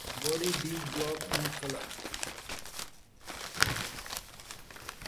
Body deep black in color.